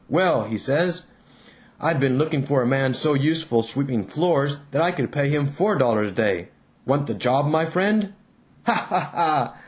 'Well,' he says, 'I've been looking for a man so useful sweeping floors that I could pay him four dollars a day. Want the job, my friend?' Ha, ha, ha!